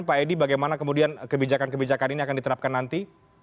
pak edi bagaimana kemudian kebijakan kebijakan ini akan diterapkan nanti